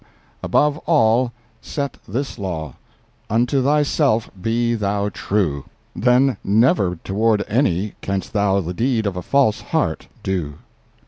above all set this law: UNTO THYSELF BE THOU TRUE! Then never toward any canst thou The deed of a false heart do.